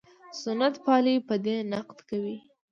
سنت پالي په دې نقد کوي.